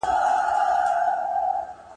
د هغه په دوه چنده عمر کي نه سي لیکلای !.